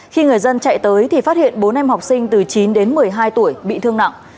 khi người dân chạy tới thì phát hiện bốn em học sinh từ chín đến một mươi hai tuổi bị thương nặng